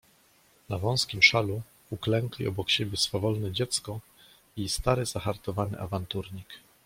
"Na wąskim szalu uklękli obok siebie swawolne dziecko i stary, zahartowany awanturnik."